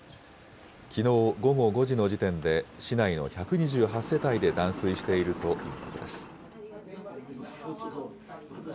きのう午後５時の時点で、市内の１２８世帯で断水しているということです。